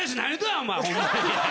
お前ホンマに。